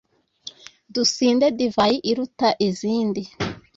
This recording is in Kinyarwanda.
dusinde divayi iruta izindi